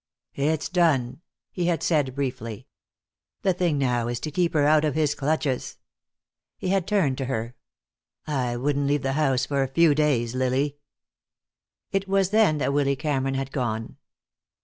"It's done," he had said briefly. "The thing now is to keep her out of his clutches." He had turned to her. "I wouldn't leave the house for few days, Lily." It was then that Willy Cameron had gone.